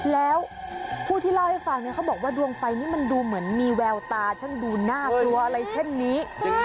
แล้วผู้ที่เล่าให้ฟังเนี่ยเขาบอกว่าดวงไฟนี่มันดูเหมือนมีแววตาฉันดูน่ากลัวอะไรเช่นนี้